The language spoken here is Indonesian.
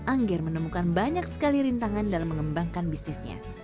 angger menemukan banyak sekali rintangan dalam mengembangkan bisnisnya